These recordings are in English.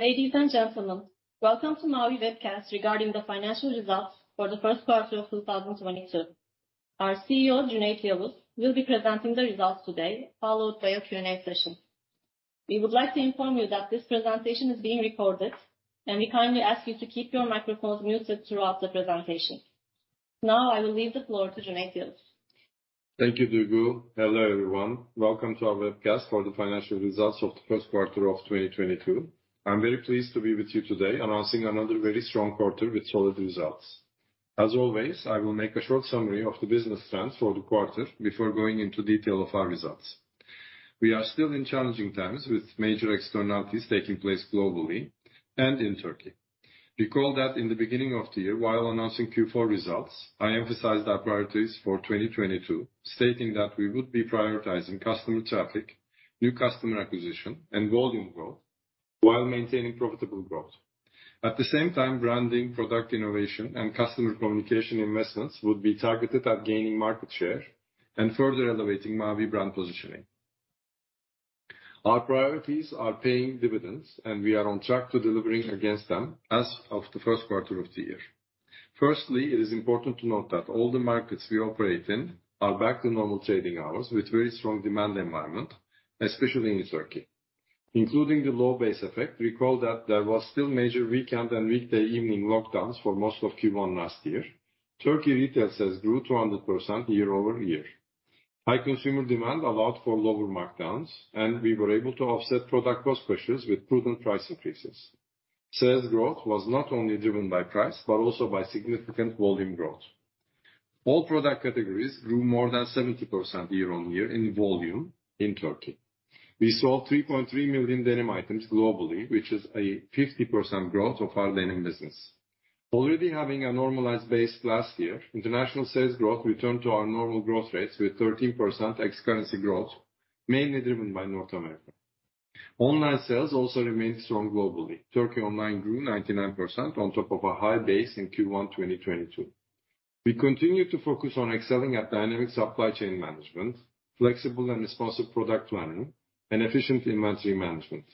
Ladies and gentlemen, welcome to Mavi webcast regarding the financial results for the first quarter of 2022. Our CEO, Cüneyt Yavuz, will be presenting the results today, followed by a Q&A session. We would like to inform you that this presentation is being recorded, and we kindly ask you to keep your microphones muted throughout the presentation. Now I will leave the floor to Cüneyt Yavuz. Thank you, Duygu. Hello, everyone. Welcome to our webcast for the financial results of the first quarter of 2022. I'm very pleased to be with you today, announcing another very strong quarter with solid results. As always, I will make a short summary of the business trends for the quarter before going into detail of our results. We are still in challenging times, with major externalities taking place globally and in Turkey. Recall that in the beginning of the year while announcing Q4 results, I emphasized our priorities for 2022, stating that we would be prioritizing customer traffic, new customer acquisition, and volume growth, while maintaining profitable growth. At the same time, branding, product innovation, and customer communication investments would be targeted at gaining market share and further elevating Mavi brand positioning. Our priorities are paying dividends, and we are on track to delivering against them as of the first quarter of the year. Firstly, it is important to note that all the markets we operate in are back to normal trading hours with very strong demand environment, especially in Turkey. Including the low base effect, recall that there was still major weekend and weekday evening lockdowns for most of Q1 last year. Turkey retail sales grew 200% year-over-year. High consumer demand allowed for lower markdowns, and we were able to offset product cost pressures with prudent price increases. Sales growth was not only driven by price, but also by significant volume growth. All product categories grew more than 70% year-over-year in volume in Turkey. We sold 3.3 million denim items globally, which is a 50% growth of our denim business. Already having a normalized base last year, international sales growth returned to our normal growth rates with 13% ex-currency growth, mainly driven by North America. Online sales also remained strong globally. Turkey online grew 99% on top of a high base in Q1 2022. We continue to focus on excelling at dynamic supply chain management, flexible and responsive product planning, and efficient inventory management.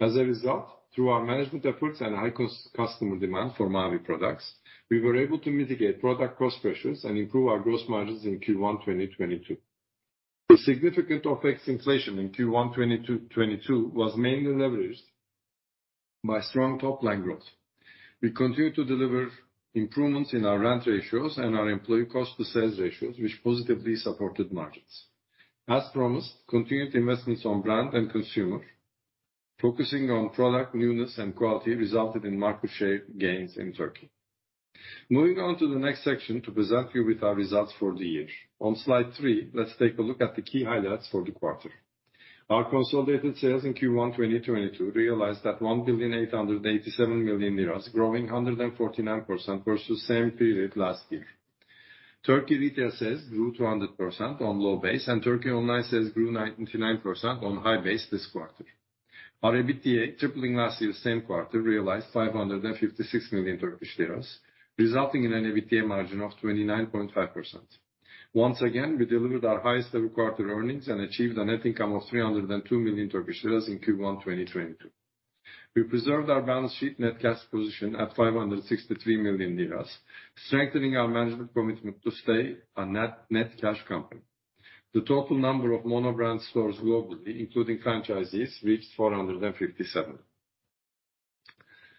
As a result, through our management efforts and high customer demand for Mavi products, we were able to mitigate product cost pressures and improve our gross margins in Q1 2022. The significant FX inflation in Q1 2022 was mainly leveraged by strong top-line growth. We continue to deliver improvements in our rent ratios and our employee cost to sales ratios, which positively supported margins. As promised, continued investments on brand and consumer, focusing on product newness and quality resulted in market share gains in Turkey. Moving on to the next section to present you with our results for the year. On slide three, let's take a look at the key highlights for the quarter. Our consolidated sales in Q1 2022 realized at TRY 1,887 million, growing 149% versus same period last year. Turkey retail sales grew 200% on low base, and Turkey online sales grew 99% on high base this quarter. Our EBITDA tripling last year same quarter realized 556 million Turkish lira, resulting in an EBITDA margin of 29.5%. Once again, we delivered our highest ever quarter earnings and achieved a net income of 302 million Turkish lira in Q1 2022. We preserved our balance sheet net cash position at 563 million lira, strengthening our management commitment to stay a net-net cash company. The total number of mono brand stores globally, including franchisees, reached 457.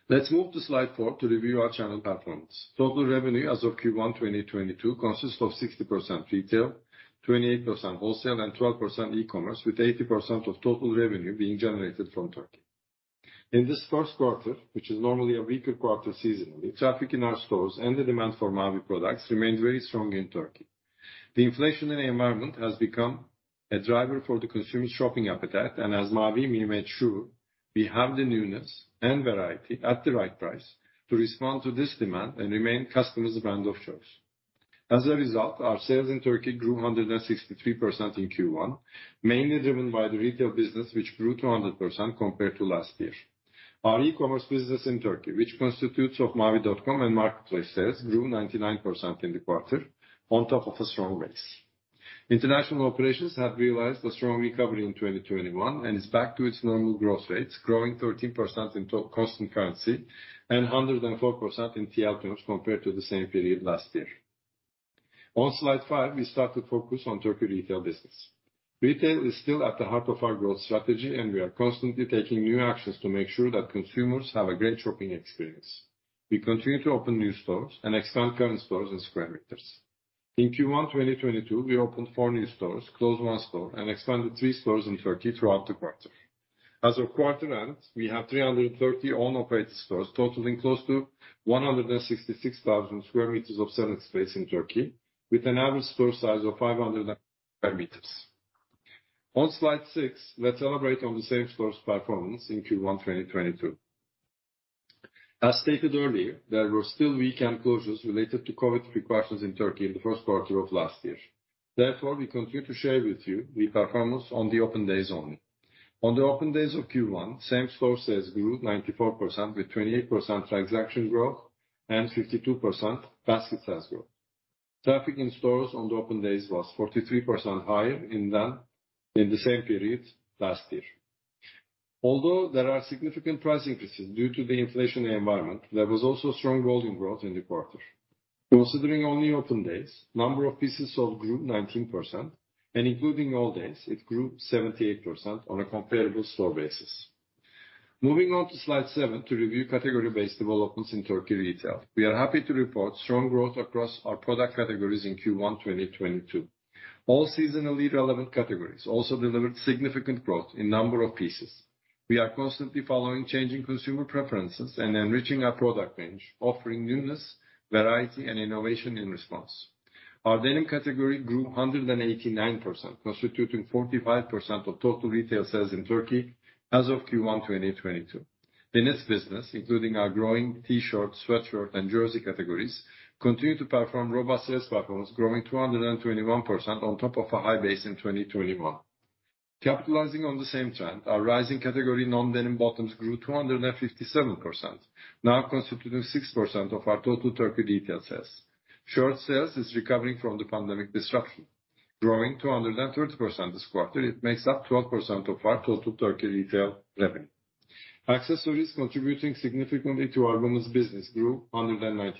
Let's move to slide four to review our channel performance. Total revenue as of Q1 2022 consists of 60% retail, 28% wholesale, and 12% e-commerce, with 80% of total revenue being generated from Turkey. In this first quarter, which is normally a weaker quarter seasonally, traffic in our stores and the demand for Mavi products remained very strong in Turkey. The inflationary environment has become a driver for the consumer shopping appetite, and as Mavi, we made sure we have the newness and variety at the right price to respond to this demand and remain customer's brand of choice. As a result, our sales in Turkey grew 163% in Q1, mainly driven by the retail business, which grew 200% compared to last year. Our e-commerce business in Turkey, which constitutes of mavi.com and marketplace sales, grew 99% in the quarter on top of a strong base. International operations have realized a strong recovery in 2021 and is back to its normal growth rates, growing 13% in constant currency and 104% in TL terms compared to the same period last year. On slide five, we start to focus on Turkey retail business. Retail is still at the heart of our growth strategy, and we are constantly taking new actions to make sure that consumers have a great shopping experience. We continue to open new stores and expand current stores in square meters. In Q1 2022, we opened four new stores, closed one store, and expanded three stores in Turkey throughout the quarter. As of quarter-end, we have 330 own-operated stores totaling close to 166,000 square meters of selling space in Turkey with an average store size of 500 square meters. On slide six, let's elaborate on the same-store sales performance in Q1 2022. As stated earlier, there were still weekend closures related to COVID requirements in Turkey in the first quarter of last year. Therefore, we continue to share with you the performance on the open days only. On the open days of Q1, same-store sales grew 94% with 28% transaction growth and 52% basket size growth. Traffic in stores on the open days was 43% higher than in the same period last year. Although there are significant price increases due to the inflationary environment, there was also strong volume growth in the quarter. Considering only open days, number of pieces sold grew 19% and including all days, it grew 78% on a comparable store basis. Moving on to slide seven to review category-based developments in Turkey retail. We are happy to report strong growth across our product categories in Q1 2022. All seasonally relevant categories also delivered significant growth in number of pieces. We are constantly following changing consumer preferences and enriching our product range, offering newness, variety and innovation in response. Our denim category grew 189%, constituting 45% of total retail sales in Turkey as of Q1 2022. Denim's business, including our growing T-shirt, sweatshirt and jersey categories, continue to perform on robust sales platforms, growing 221% on top of a high base in 2021. Capitalizing on the same trend, our rising category, non-denim bottoms, grew 257%, now constituting 6% of our total Turkey retail sales. Shorts sales is recovering from the pandemic disruption. Growing 230% this quarter, it makes up 12% of our total Turkey retail revenue. Accessories contributing significantly to our women's business grew 199%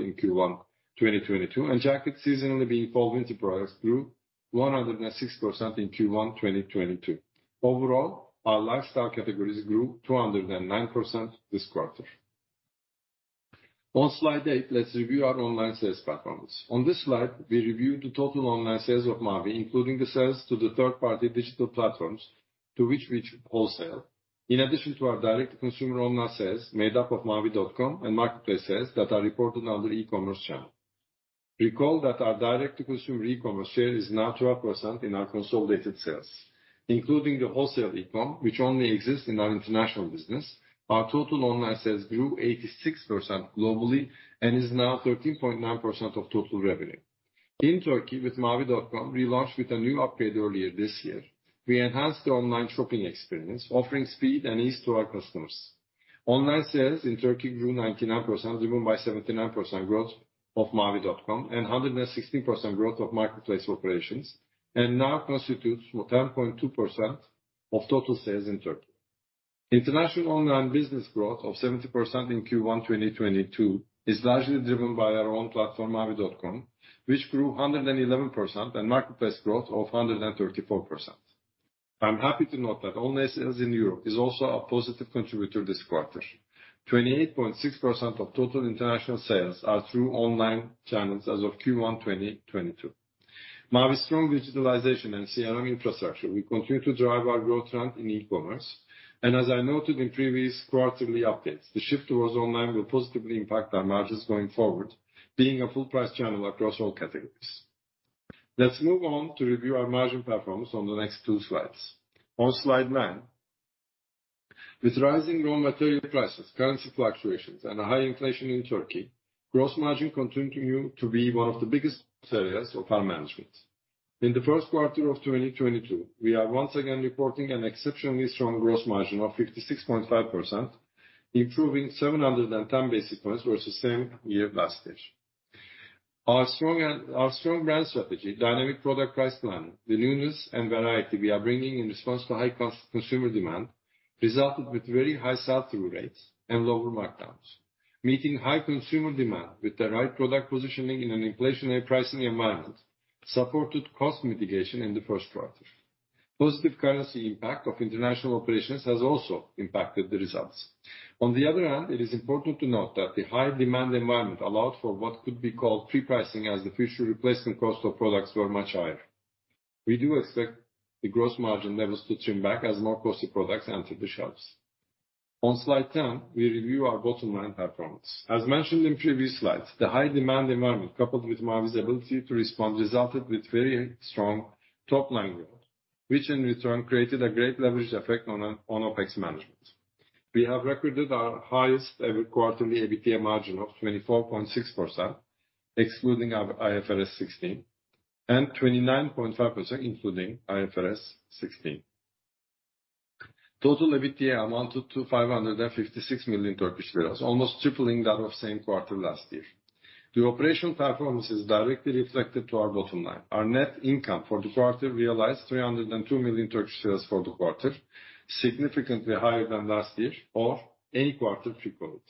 in Q1 2022. Jacket, seasonally being fall winter products, grew 106% in Q1 2022. Overall, our lifestyle categories grew 209% this quarter. On slide eight, let's review our online sales performance. On this slide, we review the total online sales of Mavi, including the sales to the third-party digital platforms to which we wholesale. In addition to our direct-to-consumer online sales, made up of mavi.com and marketplace sales that are reported under e-commerce channel. Recall that our direct-to-consumer e-commerce share is now 12% in our consolidated sales. Including the wholesale e-com, which only exists in our international business, our total online sales grew 86% globally and is now 13.9% of total revenue. In Turkey, with mavi.com, we launched with a new upgrade earlier this year. We enhanced the online shopping experience, offering speed and ease to our customers. Online sales in Turkey grew 99%, driven by 79% growth of mavi.com and 116% growth of marketplace operations, and now constitutes 10.2% of total sales in Turkey. International online business growth of 70% in Q1 2022 is largely driven by our own platform, mavi.com, which grew 111%, and marketplace growth of 134%. I'm happy to note that online sales in Europe is also a positive contributor this quarter. 28.6% of total international sales are through online channels as of Q1 2022. Mavi's strong digitalization and CRM infrastructure will continue to drive our growth trend in e-commerce. As I noted in previous quarterly updates, the shift towards online will positively impact our margins going forward, being a full price channel across all categories. Let's move on to review our margin performance on the next two slides. On slide nine, with rising raw material prices, currency fluctuations, and a high inflation in Turkey, gross margin continue to be one of the biggest areas of our management. In the first quarter of 2022, we are once again reporting an exceptionally strong gross margin of 56.5%, improving 710 basis points versus same year last year. Our strong brand strategy, dynamic product price planning, the newness and variety we are bringing in response to high consumer demand resulted with very high sell-through rates and lower markdowns. Meeting high consumer demand with the right product positioning in an inflationary pricing environment, supported cost mitigation in the first quarter. Positive currency impact of international operations has also impacted the results. On the other hand, it is important to note that the high demand environment allowed for what could be called pre-pricing as the future replacement cost of products were much higher. We do expect the gross margin levels to trim back as more costly products enter the shelves. On slide 10, we review our bottom line performance. As mentioned in previous slides, the high demand environment, coupled with Mavi's ability to respond, resulted with very strong top-line growth, which in return created a great leverage effect on OpEx management. We have recorded our highest ever quarterly EBITDA margin of 24.6%, excluding our IFRS 16, and 29.5% including IFRS 16. Total EBITDA amounted to 556 million Turkish lira, almost tripling that of same quarter last year. The operational performance is directly reflected to our bottom line. Our net income for the quarter realized 302 million Turkish lira for the quarter, significantly higher than last year or any quarter to date.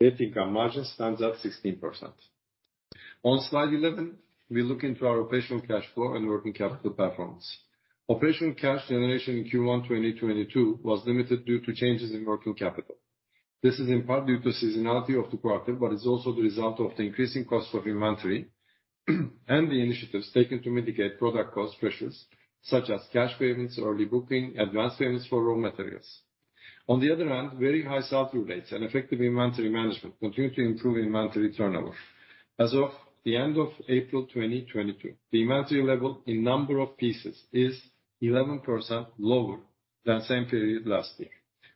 Net income margin stands at 16%. On slide 11, we look into our operational cash flow and working capital performance. Operational cash generation in Q1 2022 was limited due to changes in working capital. This is in part due to seasonality of the quarter, but is also the result of the increasing cost of inventory, and the initiatives taken to mitigate product cost pressures, such as cash payments, early booking, advance payments for raw materials. On the other hand, very high sell-through rates and effective inventory management continue to improve inventory turnover. As of the end of April 2022, the inventory level in number of pieces is 11% lower than same period last year,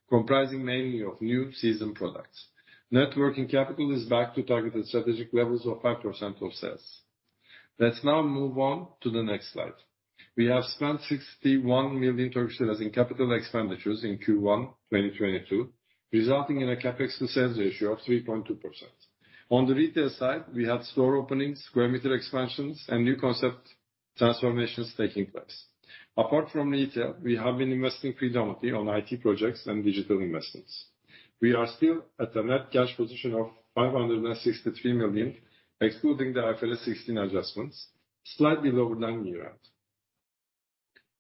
comprising mainly of new season products. Net working capital is back to targeted strategic levels of 5% of sales. Let's now move on to the next slide. We have spent 61 million in capital expenditures in Q1 2022, resulting in a CapEx to sales ratio of 3.2%. On the retail side, we had store openings, square meter expansions, and new concept transformations taking place. Apart from retail, we have been investing predominantly on IT projects and digital investments. We are still at a net cash position of 563 million, excluding the IFRS 16 adjustments, slightly lower than year end.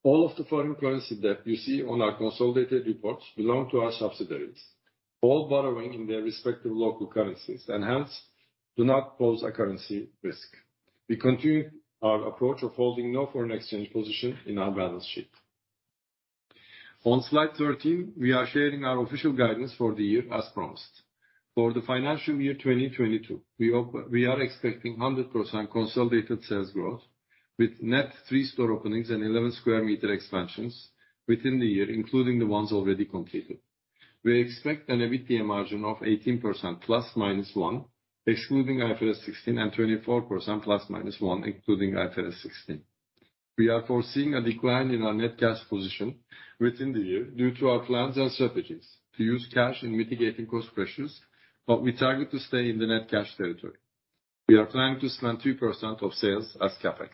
All of the foreign currency that you see on our consolidated reports belong to our subsidiaries, all borrowing in their respective local currencies, and hence do not pose a currency risk. We continue our approach of holding no foreign exchange position in our balance sheet. On slide 13, we are sharing our official guidance for the year as promised. For the financial year 2022, we are expecting 100% consolidated sales growth with net three store openings and 11 sq m expansions within the year, including the ones already completed. We expect an EBITDA margin of 18% ±1, excluding IFRS 16, and 24% ±1 including IFRS 16. We are foreseeing a decline in our net cash position within the year due to our plans and strategies to use cash in mitigating cost pressures, but we target to stay in the net cash territory. We are planning to spend 2% of sales as CapEx.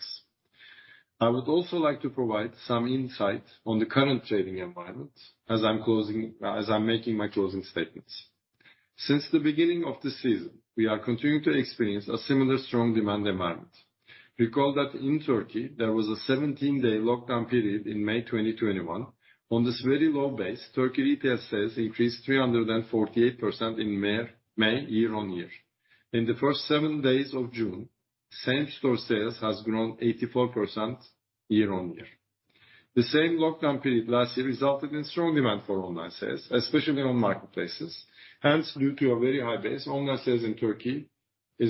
I would also like to provide some insight on the current trading environment as I'm making my closing statements. Since the beginning of the season, we are continuing to experience a similar strong demand environment. Recall that in Turkey, there was a 17-day lockdown period in May 2021. On this very low base, Turkey retail sales increased 348% in May year-on-year. In the first seven days of June, same-store sales has grown 84% year-on-year. The same lockdown period last year resulted in strong demand for online sales, especially on marketplaces. Hence, due to a very high base, online sales in Turkey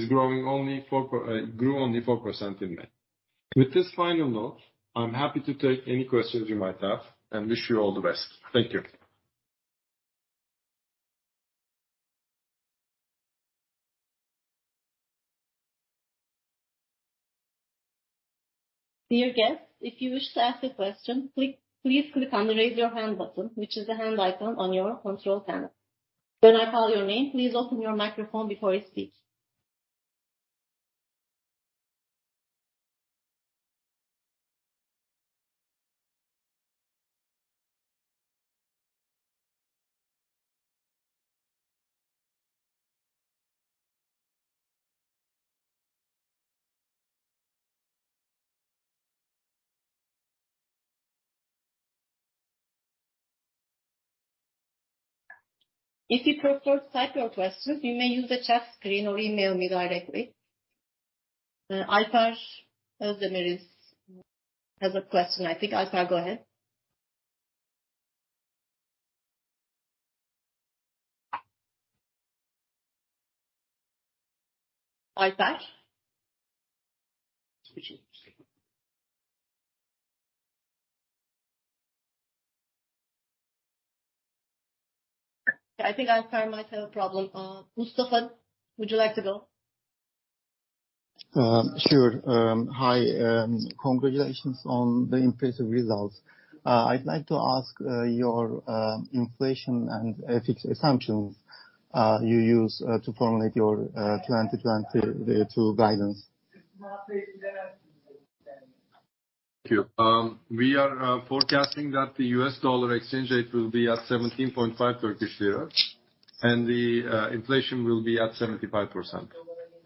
grew only 4% in May. With this final note, I'm happy to take any questions you might have and wish you all the best. Thank you. Dear guests, if you wish to ask a question, please click on the Raise Your Hand button, which is the hand icon on your control panel. When I call your name, please open your microphone before you speak. If you prefer to type your questions, you may use the chat screen or email me directly. Alpar Özdemir has a question, I think. Alpar, go ahead. Alpar? I think Alpar might have a problem. Mustafa, would you like to go? Sure. Hi, congratulations on the impressive results. I'd like to ask your inflation and FX assumptions you used to formulate your 2022 guidance. Thank you. We are forecasting that the U.S. dollar exchange rate will be at 17.5 Turkish lira, and the inflation will be at 75%.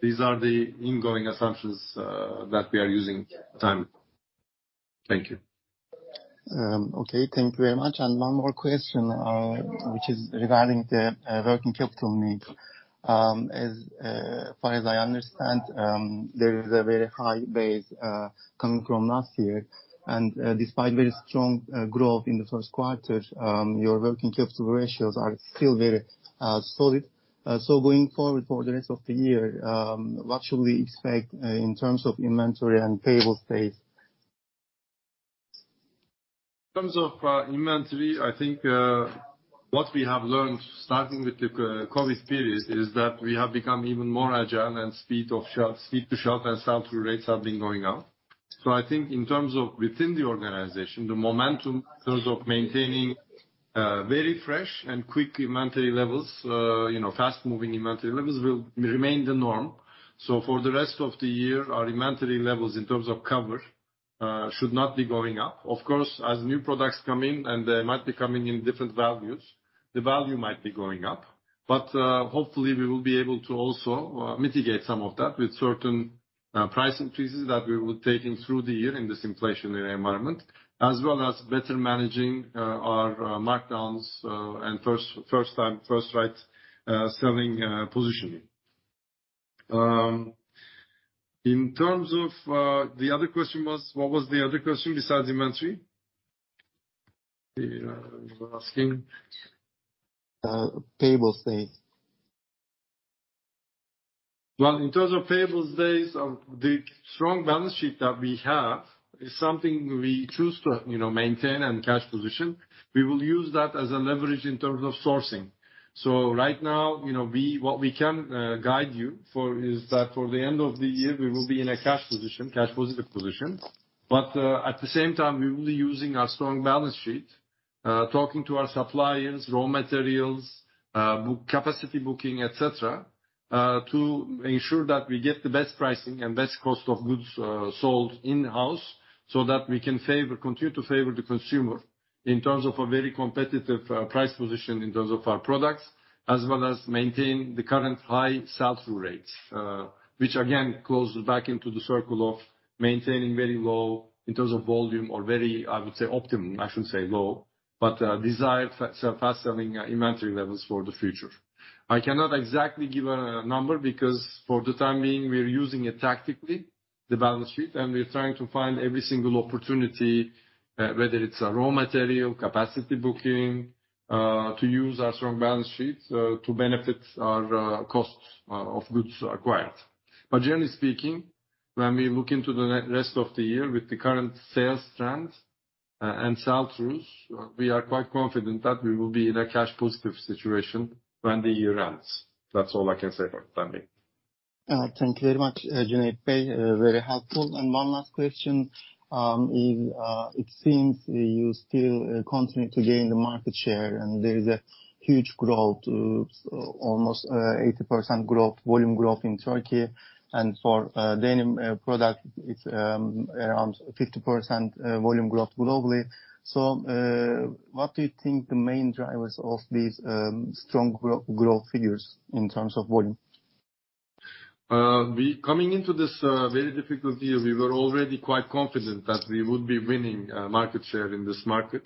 These are the incoming assumptions that we are using at the time. Thank you. Okay. Thank you very much. One more question, which is regarding the working capital need. As far as I understand, there is a very high base coming from last year. Despite very strong growth in the first quarter, your working capital ratios are still very solid. Going forward for the rest of the year, what should we expect in terms of inventory and payable days? In terms of inventory, I think what we have learned, starting with the COVID period, is that we have become even more agile and speed to shelf and sell-through rates have been going up. I think in terms of within the organization, the momentum in terms of maintaining very fresh and quick inventory levels, you know, fast-moving inventory levels will remain the norm. For the rest of the year, our inventory levels in terms of cover should not be going up. Of course, as new products come in and they might be coming in different values, the value might be going up. Hopefully, we will be able to also mitigate some of that with certain price increases that we will take in through the year in this inflationary environment, as well as better managing our markdowns and first time right selling positioning. In terms of. The other question was? What was the other question besides inventory? You were asking. Payable days. Well, in terms of payable days, the strong balance sheet that we have is something we choose to, you know, maintain and cash position. We will use that as a leverage in terms of sourcing. Right now, you know, what we can guide you for is that for the end of the year, we will be in a cash position, cash positive position. At the same time, we will be using our strong balance sheet, talking to our suppliers, raw materials, capacity booking, et cetera, to ensure that we get the best pricing and best cost of goods sold in-house so that we can continue to favor the consumer in terms of a very competitive price position in terms of our products, as well as maintain the current high sell-through rates. Which again closes back into the circle of maintaining very low in terms of volume or very, I would say optimum, I shouldn't say low, but, desired fast-selling inventory levels for the future. I cannot exactly give a number because for the time being we're using it tactically, the balance sheet, and we're trying to find every single opportunity, whether it's a raw material, capacity booking, to use our strong balance sheet, to benefit our costs of goods acquired. Generally speaking, when we look into the rest of the year with the current sales trends, and sell-throughs, we are quite confident that we will be in a cash positive situation when the year ends. That's all I can say for the time being. Thank you very much, Cüneyt Bey. Very helpful. One last question, it seems you still continuing to gain the market share, and there is a huge growth, almost 80% growth, volume growth in Turkey. For denim product, it's around 50% volume growth globally. What do you think the main drivers of these strong growth figures in terms of volume? Coming into this, very difficult year, we were already quite confident that we would be winning market share in this market.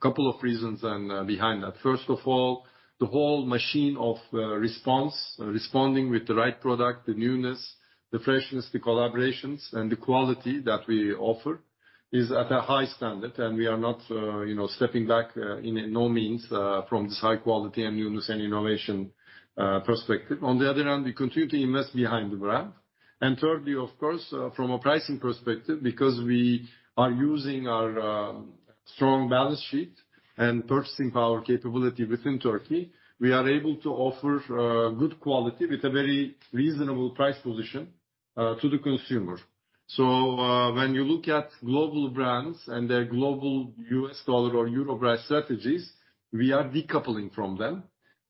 Couple of reasons behind that. First of all, the whole machine of response, responding with the right product, the newness, the freshness, the collaborations, and the quality that we offer is at a high standard. We are not, you know, stepping back in no means from this high quality and newness and innovation perspective. On the other hand, we continue to invest behind the brand. Thirdly, of course, from a pricing perspective, because we are using our strong balance sheet and purchasing power capability within Turkey, we are able to offer good quality with a very reasonable price position to the consumer. When you look at global brands and their global U.S. dollar or euro price strategies, we are decoupling from them.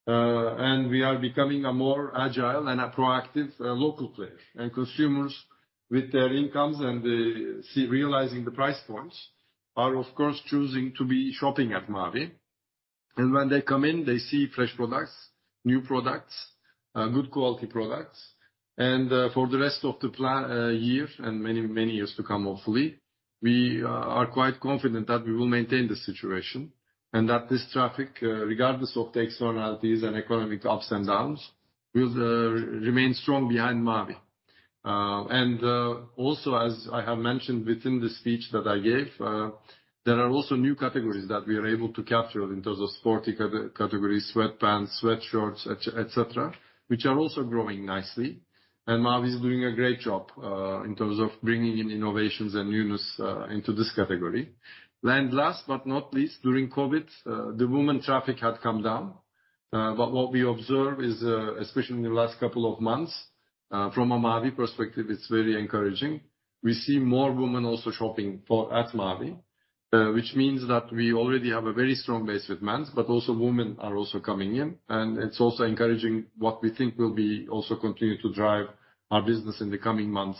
We are becoming a more agile and a proactive local player. Consumers with their incomes realizing the price points are of course choosing to be shopping at Mavi. When they come in, they see fresh products, new products, good quality products. For the rest of the year and many, many years to come, hopefully, we are quite confident that we will maintain this situation. That this traffic, regardless of the externalities and economic ups and downs, will remain strong behind Mavi. Also as I have mentioned within the speech that I gave, there are also new categories that we are able to capture in terms of sporty categories, sweatpants, sweatshirts, et cetera, which are also growing nicely. Mavi is doing a great job in terms of bringing in innovations and newness into this category. Last but not least, during COVID, the women traffic had come down. What we observe is, especially in the last couple of months, from a Mavi perspective, it's very encouraging. We see more women also shopping at Mavi, which means that we already have a very strong base with men's, but also women are also coming in. It's also encouraging what we think will be also continue to drive our business in the coming months.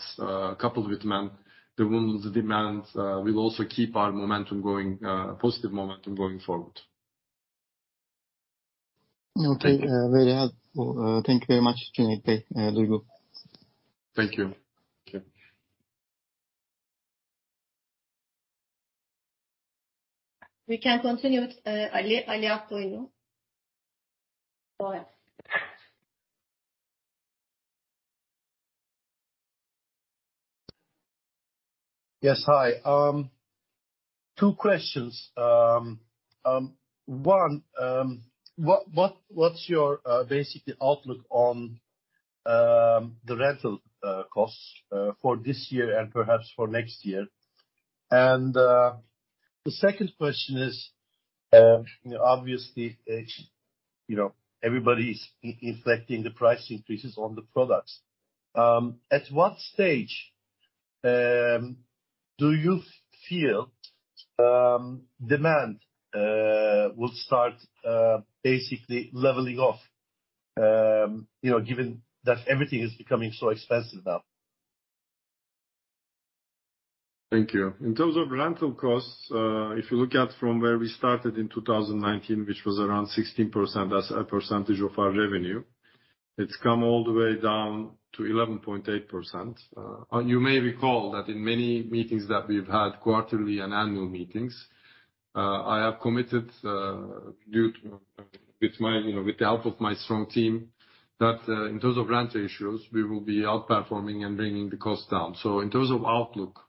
Coupled with men's, the women's demand will also keep our momentum going, positive momentum going forward. Okay. Thank you. Very helpful. Thank you very much, Cüneyt Bey. Duygu. Thank you. Okay. We can continue with Ali Akgöynoğlu. Yes. Hi. Two questions. One, what's your basic outlook on the rental costs for this year and perhaps for next year? The second question is, you know, obviously, it's, you know, everybody's implementing the price increases on the products. At what stage do you feel demand will start basically leveling off? You know, given that everything is becoming so expensive now. Thank you. In terms of rental costs, if you look at from where we started in 2019, which was around 16% as a percentage of our revenue, it's come all the way down to 11.8%. You may recall that in many meetings that we've had, quarterly and annual meetings, I have committed, you know, with the help of my strong team, that, in terms of rent ratios, we will be outperforming and bringing the cost down. In terms of outlook,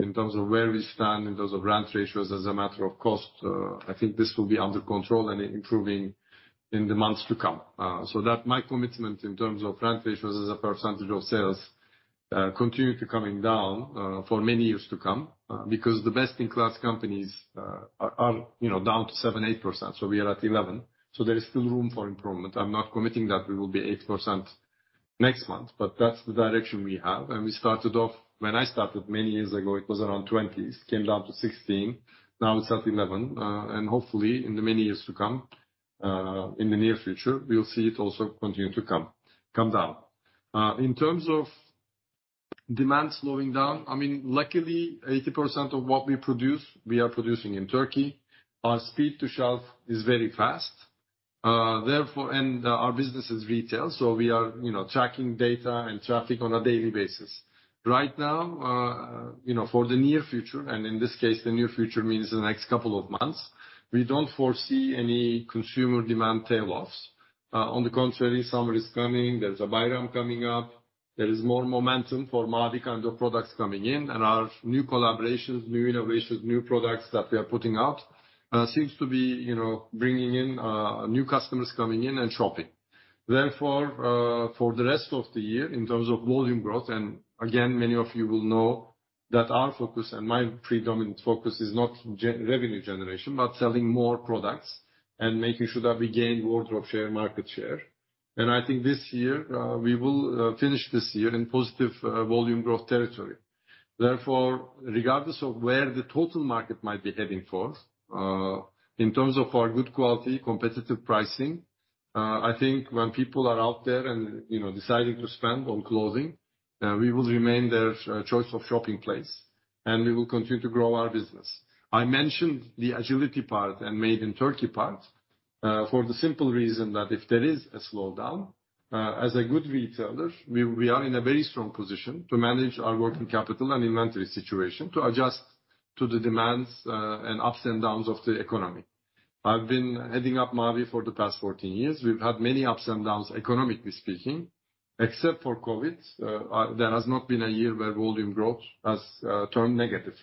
in terms of where we stand, in terms of rent ratios as a matter of cost, I think this will be under control and improving in the months to come. So that my commitment in terms of rent ratios as a percentage of sales continues to come down for many years to come because the best-in-class companies are you know down to 7%-8%, so we are at 11%. There is still room for improvement. I'm not committing that we will be 8% next month. That's the direction we have. We started off when I started many years ago, it was around 20%s, came down to 16%, now it's at 11%. Hopefully in the many years to come, in the near future, we'll see it also continue to come down. In terms of demand slowing down, I mean, luckily, 80% of what we produce we are producing in Turkey. Our speed to shelf is very fast, therefore. Our business is retail, so we are, you know, tracking data and traffic on a daily basis. Right now, you know, for the near future, and in this case, the near future means the next couple of months, we don't foresee any consumer demand tailoffs. On the contrary, summer is coming. There's a Bayram coming up. There is more momentum for Mavi kind of products coming in, and our new collaborations, new innovations, new products that we are putting out, seems to be, you know, bringing in, new customers coming in and shopping. Therefore, for the rest of the year, in terms of volume growth, and again, many of you will know that our focus and my predominant focus is not revenue generation, but selling more products and making sure that we gain wardrobe share, market share. I think this year we will finish this year in positive volume growth territory. Therefore, regardless of where the total market might be heading for in terms of our good quality, competitive pricing, I think when people are out there and, you know, deciding to spend on clothing, we will remain their choice of shopping place, and we will continue to grow our business. I mentioned the agility part and Made in Turkey part for the simple reason that if there is a slowdown, as a good retailer, we are in a very strong position to manage our working capital and inventory situation to adjust to the demands and ups and downs of the economy. I've been heading up Mavi for the past 14 years. We've had many ups and downs, economically speaking. Except for COVID, there has not been a year where volume growth has turned negative.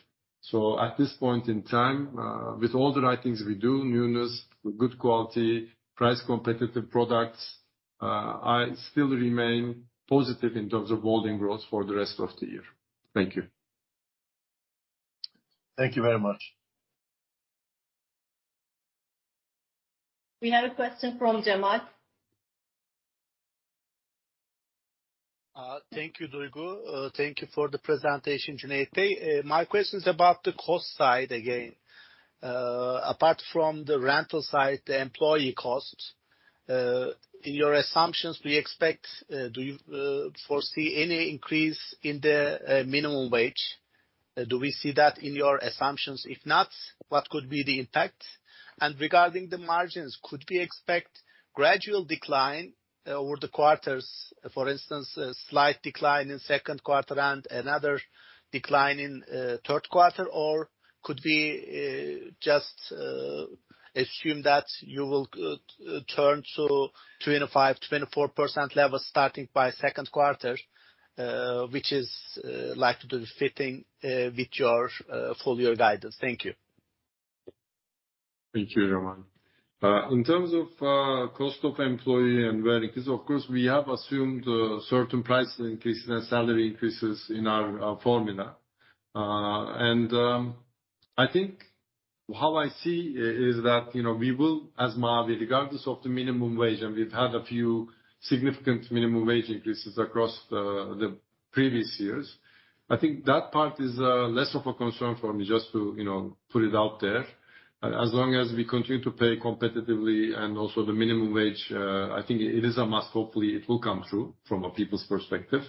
At this point in time, with all the right things we do, newness, good quality, price competitive products, I still remain positive in terms of volume growth for the rest of the year. Thank you. Thank you very much. We have a question from Cemal. Thank you, Duygu. Thank you for the presentation, Cüneyt. My question is about the cost side again. Apart from the rental side, the employee costs, in your assumptions, do you foresee any increase in the minimum wage? Do we see that in your assumptions? If not, what could be the impact? Regarding the margins, could we expect gradual decline over the quarters? For instance, a slight decline in second quarter and another decline in third quarter? Or could we just assume that you will turn to 25%, 24% levels starting by second quarter, which is likely to be fitting with your full year guidance? Thank you. Thank you, Cemal. In terms of cost of employee and rent, because of course, we have assumed a certain price increase and salary increases in our formula. I think how I see it is that, you know, we will, as Mavi, regardless of the minimum wage, and we've had a few significant minimum wage increases across the previous years, I think that part is less of a concern for me, just to, you know, put it out there. As long as we continue to pay competitively and also the minimum wage, I think it is a must. Hopefully it will come through from a people's perspective.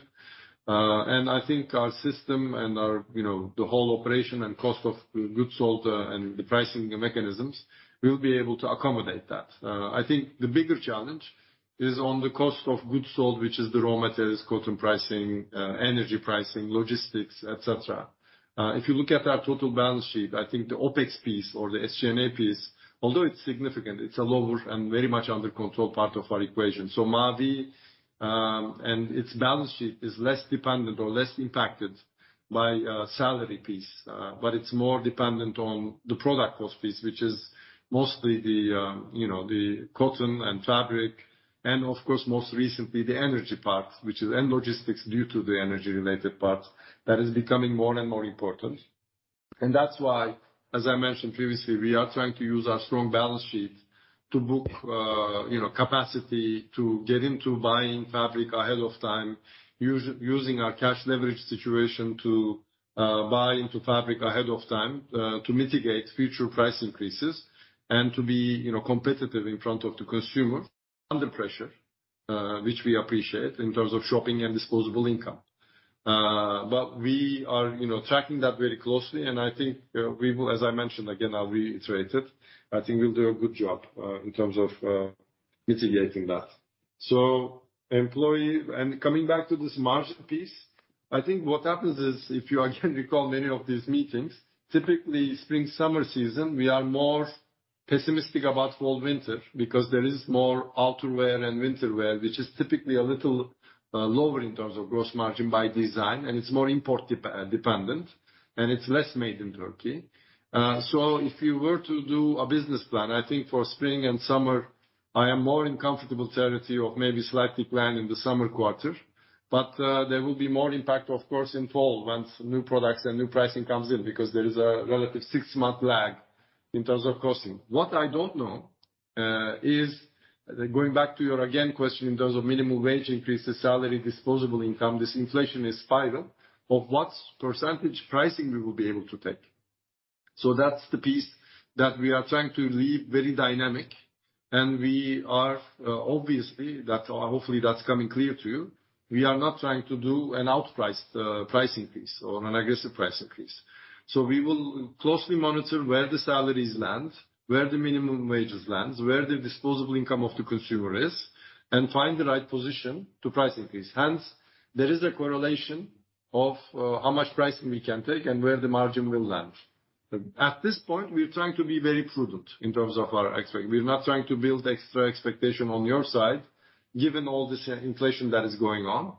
I think our system and our, you know, the whole operation and cost of goods sold, and the pricing mechanisms will be able to accommodate that. I think the bigger challenge is on the cost of goods sold, which is the raw materials, cotton pricing, energy pricing, logistics, et cetera. If you look at our total balance sheet, I think the OpEx piece or the SG&A piece, although it's significant, it's a lower and very much under control part of our equation. Mavi and its balance sheet is less dependent or less impacted by salary piece, but it's more dependent on the product cost piece, which is mostly the you know, the cotton and fabric and of course, most recently the energy part, which is and logistics due to the energy related part, that is becoming more and more important. That's why, as I mentioned previously, we are trying to use our strong balance sheet to book, you know, capacity to get into buying fabric ahead of time using our cash leverage situation to buy into fabric ahead of time, to mitigate future price increases and to be, you know, competitive in front of the consumer under pressure, which we appreciate in terms of shopping and disposable income. We are, you know, tracking that very closely, and I think we will, as I mentioned, again, I'll reiterate it, I think we'll do a good job in terms of mitigating that. Employee... Coming back to this margin piece, I think what happens is, if you again recall many of these meetings, typically spring, summer season, we are more pessimistic about fall, winter because there is more outerwear and winter wear, which is typically a little lower in terms of gross margin by design, and it's more import-dependent, and it's less Made in Turkey. If you were to do a business plan, I think for spring and summer, I am more in comfortable territory of maybe slight decline in the summer quarter. There will be more impact, of course, in fall once new products and new pricing comes in, because there is a relative six-month lag in terms of costing. What I don't know is going back to your question again in terms of minimum wage increase, the salary, disposable income, this inflationary spiral of what percentage pricing we will be able to take. That's the piece that we are trying to leave very dynamic. Hopefully, that's coming clear to you. We are not trying to do an outpriced pricing piece or an aggressive price increase. We will closely monitor where the salaries land, where the minimum wages lands, where the disposable income of the consumer is, and find the right position to price increase. Hence, there is a correlation of how much pricing we can take and where the margin will land. At this point, we're trying to be very prudent. We're not trying to build extra expectation on your side given all this inflation that is going on.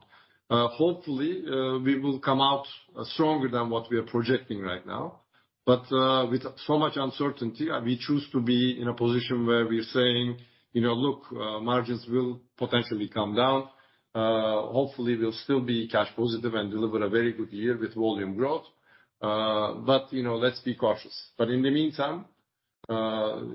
Hopefully, we will come out stronger than what we are projecting right now, but with so much uncertainty, we choose to be in a position where we're saying, you know, "Look, margins will potentially come down. Hopefully we'll still be cash positive and deliver a very good year with volume growth, but you know, let's be cautious." In the meantime,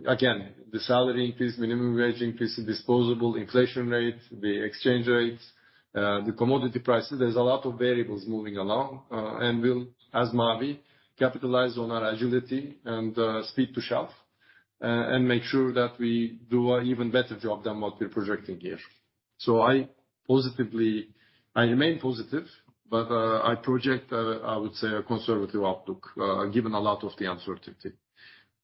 again, the salary increase, minimum wage increase, the disposable inflation rate, the exchange rates, the commodity prices, there's a lot of variables moving along. We'll, as Mavi, capitalize on our agility and speed to shelf and make sure that we do an even better job than what we're projecting here. I remain positive, but I project I would say a conservative outlook given a lot of the uncertainty.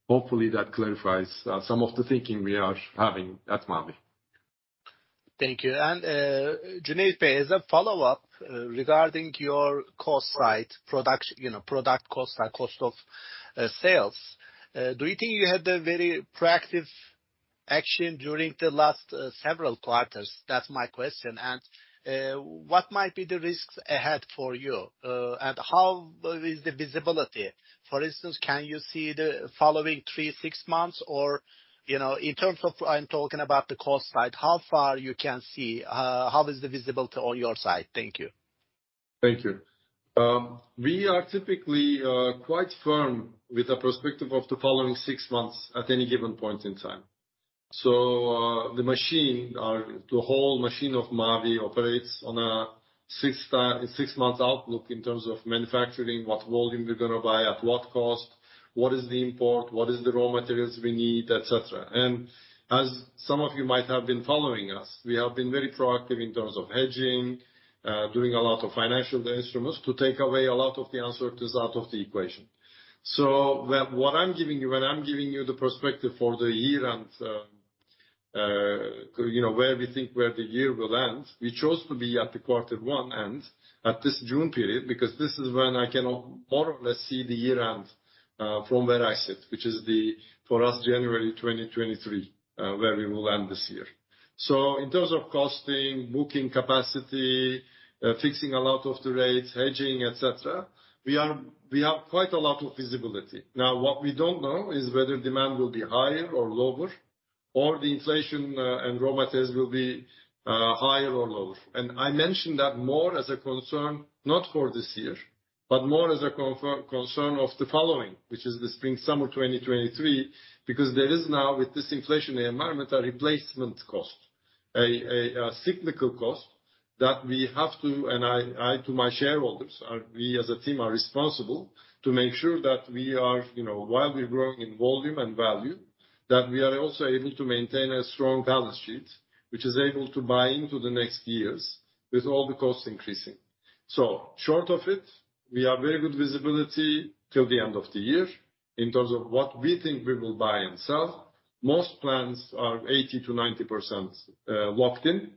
Hopefully, that clarifies some of the thinking we are having at Mavi. Thank you. Cüneyt Bey, as a follow-up, regarding your cost side production, you know, product cost and cost of sales, do you think you had a very proactive action during the last several quarters? That's my question. What might be the risks ahead for you? How is the visibility? For instance, can you see the following three, six months? Or, you know, in terms of, I'm talking about the cost side, how far you can see, how is the visibility on your side? Thank you. Thank you. We are typically quite firm with the perspective of the following six months at any given point in time. So, the machine or the whole machine of Mavi operates on a six months outlook in terms of manufacturing, what volume we're gonna buy, at what cost, what is the import, what is the raw materials we need, et cetera. As some of you might have been following us, we have been very proactive in terms of hedging, doing a lot of financial instruments to take away a lot of the uncertainties out of the equation. What I'm giving you when I'm giving you the perspective for the year and where we think the year will end, we chose to be at the quarter one end at this June period, because this is when I can more or less see the year end from where I sit, which is for us January 2023, where we will end this year. In terms of costing, booking capacity, fixing a lot of the rates, hedging, et cetera, we have quite a lot of visibility. Now, what we don't know is whether demand will be higher or lower, or the inflation and raw materials will be higher or lower. I mention that more as a concern, not for this year, but more as a concern of the following, which is the spring, summer 2023, because there is now, with this inflationary environment, a replacement cost, a cyclical cost that we have to, and I to my shareholders, we as a team are responsible to make sure that we are, you know, while we're growing in volume and value, that we are also able to maintain a strong balance sheet, which is able to buy into the next years with all the costs increasing. Short of it, we have very good visibility till the end of the year in terms of what we think we will buy and sell. Most plans are 80%-90% locked in.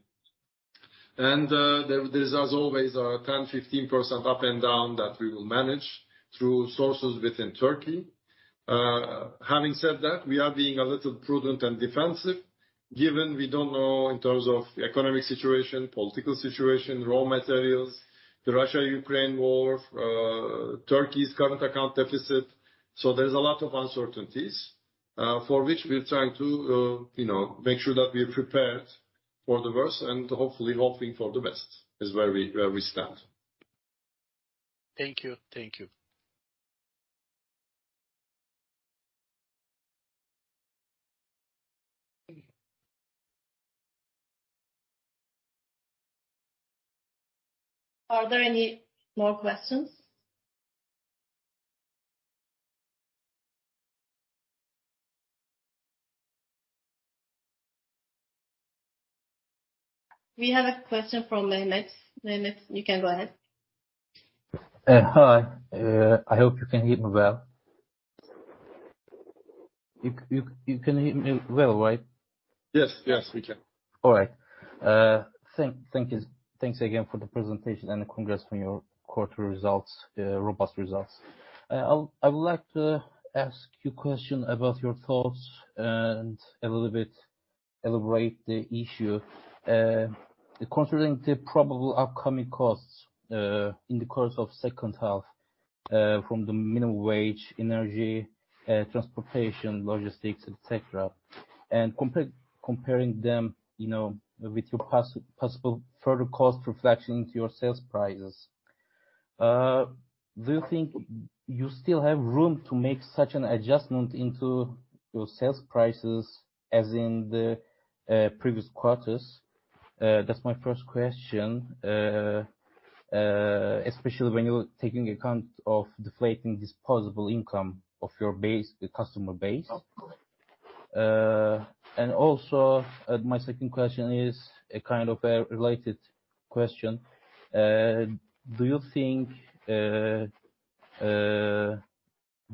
There's as always a 10%-15% up and down that we will manage through sources within Turkey. Having said that, we are being a little prudent and defensive, given we don't know in terms of the economic situation, political situation, raw materials, the Russia-Ukraine war, Turkey's current account deficit. There's a lot of uncertainties for which we're trying to, you know, make sure that we are prepared for the worst and hopefully hoping for the best is where we stand. Thank you. Thank you. Are there any more questions? We have a question from Mehmet. Mehmet, you can go ahead. Hi. I hope you can hear me well. You can hear me well, right? Yes. Yes, we can. All right. Thank you. Thanks again for the presentation and congrats on your quarter results, robust results. I would like to ask you a question about your thoughts and a little bit elaborate the issue. Considering the probable upcoming costs, in the course of second half, from the minimum wage, energy, transportation, logistics, et cetera, and comparing them, you know, with your possible further cost reflection to your sales prices. Do you think you still have room to make such an adjustment into your sales prices as in the previous quarters? That's my first question. Especially when you're taking account of deflating disposable income of your base, the customer base. My second question is a kind of a related question. Do you think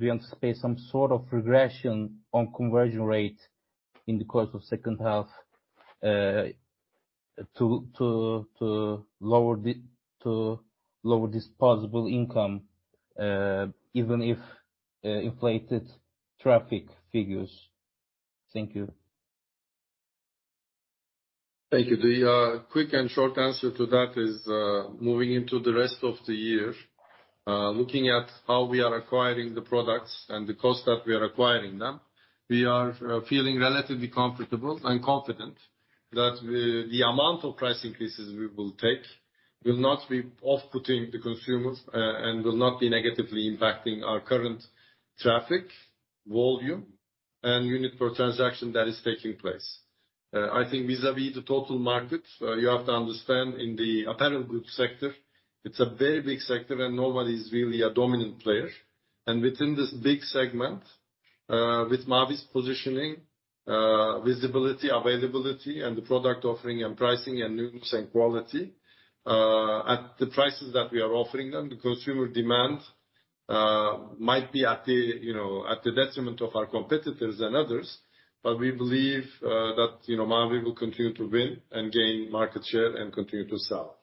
we anticipate some sort of regression on conversion rate in the course of second half to lower disposable income, even if inflated traffic figures? Thank you. Thank you. The quick and short answer to that is, moving into the rest of the year, looking at how we are acquiring the products and the cost that we are acquiring them, we are feeling relatively comfortable and confident that the amount of price increases we will take will not be off-putting the consumers, and will not be negatively impacting our current traffic volume and unit per transaction that is taking place. I think vis-à-vis the total market, you have to understand in the apparel group sector, it's a very big sector and nobody is really a dominant player. Within this big segment, with Mavi's positioning, visibility, availability, and the product offering and pricing and new same quality, at the prices that we are offering them, the consumer demand might be at the, you know, at the detriment of our competitors than others. We believe that, you know, Mavi will continue to win and gain market share and continue to sell.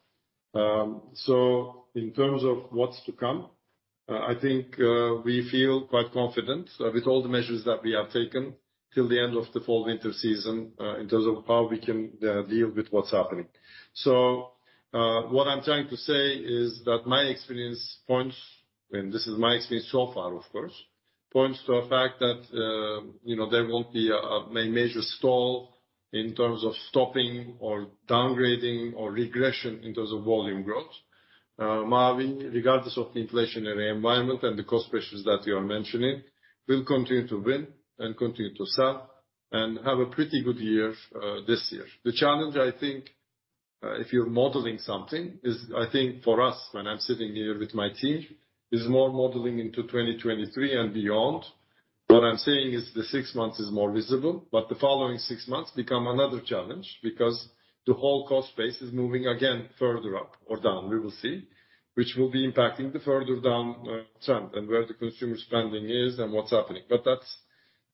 In terms of what's to come, I think we feel quite confident with all the measures that we have taken till the end of the fall/winter season, in terms of how we can deal with what's happening. What I'm trying to say is that my experience points, and this is my experience so far, of course, points to a fact that, you know, there won't be a major stall in terms of stopping or downgrading or regression in terms of volume growth. Mavi, regardless of the inflationary environment and the cost pressures that you are mentioning, will continue to win and continue to sell and have a pretty good year, this year. The challenge, I think, if you're modeling something is I think for us, when I'm sitting here with my team, is more modeling into 2023 and beyond. What I'm saying is the six months is more visible, but the following six months become another challenge because the whole cost base is moving again further up or down, we will see, which will be impacting the further down trend and where the consumer spending is and what's happening. That's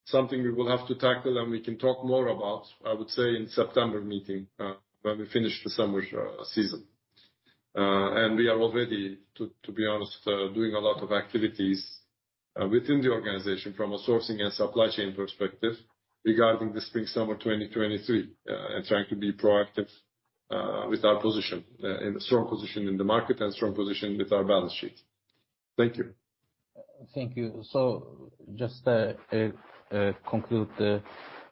something we will have to tackle, and we can talk more about, I would say, in September meeting, when we finish the summer season. We are already, to be honest, doing a lot of activities within the organization from a sourcing and supply chain perspective regarding the spring/summer 2023, and trying to be proactive with our position in a strong position in the market and strong position with our balance sheet. Thank you. Thank you. Just conclude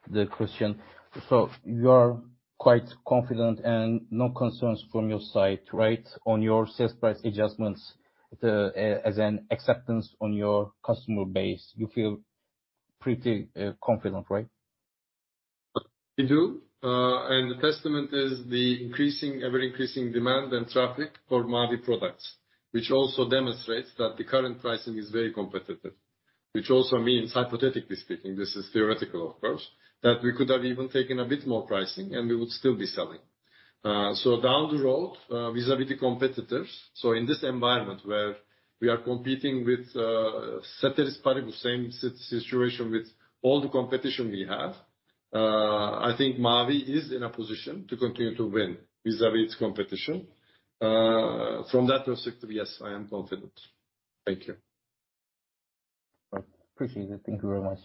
the question. You are quite confident and no concerns from your side, right? On your sales price adjustments, as an acceptance on your customer base, you feel pretty confident, right? We do. The testament is the increasing, ever-increasing demand and traffic for Mavi products, which also demonstrates that the current pricing is very competitive. Which also means, hypothetically speaking, this is theoretical of course, that we could have even taken a bit more pricing, and we would still be selling. Down the road, vis-à-vis the competitors, in this environment where we are competing with, ceteris paribus, same situation with all the competition we have, I think Mavi is in a position to continue to win vis-à-vis competition. From that perspective, yes, I am confident. Thank you. All right. Appreciate it. Thank you very much.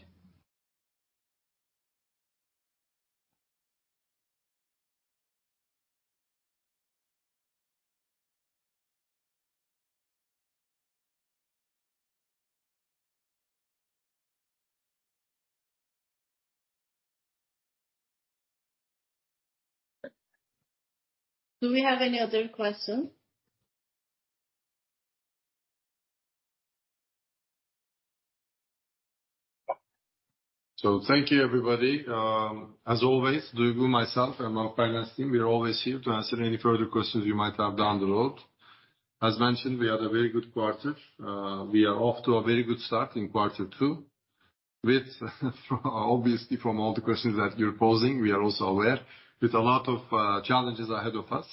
Do we have any other question? Thank you, everybody. As always, Duygu, myself, and our finance team, we are always here to answer any further questions you might have down the road. As mentioned, we had a very good quarter. We are off to a very good start in quarter two with obviously from all the questions that you're posing, we are also aware of a lot of challenges ahead of us.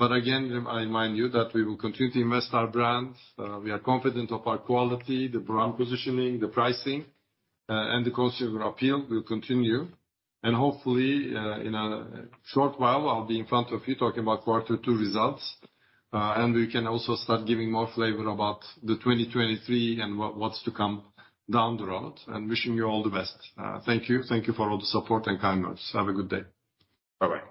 Again, I remind you that we will continue to invest our brands. We are confident of our quality, the brand positioning, the pricing, and the consumer appeal will continue. Hopefully, in a short while, I'll be in front of you talking about quarter two results. We can also start giving more flavor about 2023 and what's to come down the road. Wishing you all the best. Thank you. Thank you for all the support and kindness. Have a good day. Bye-bye.